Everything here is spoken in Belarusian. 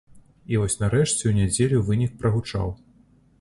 І вось нарэшце ў нядзелю вынік прагучаў.